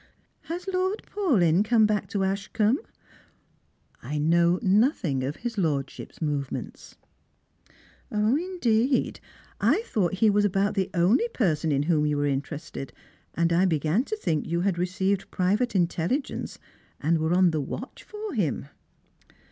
" Has Lord Paulyn come back to Ashcombe ?"" I know nothing of his lordship's movements." " Indeed ! I thought he was about the only person in whom you were interested, and I began to think you had received pri vate intelligence, and were on the watch for him."